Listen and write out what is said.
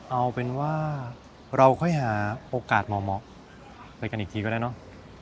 เอาเป็นว่าเราค่อยหาโอกาสเหมาะไปกันอีกทีก็ได้เนอะ